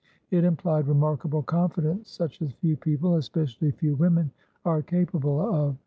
It implied remarkable confidence, such as few people, especially few women, are capable of.